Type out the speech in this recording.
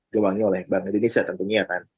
gawangnya oleh bank indonesia tentunya